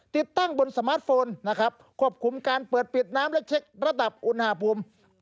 ติดตั้งบนสมาร์ทโฟนนะครับควบคุมการเปิดปิดน้ำและเช็กระดับอุณหภูมิ